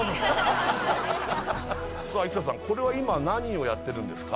生田さんこれは今何をやってるんですか？